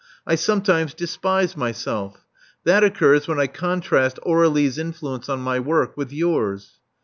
I sometimes despise my self. That occurs when I contrast Aur61ie*s influence on my work with yours.